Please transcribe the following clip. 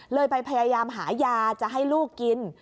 เลยไปพยายามหายาจะให้ลูกกิน